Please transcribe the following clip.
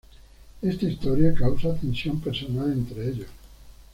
Esta historia causa tensión personal entre ellos.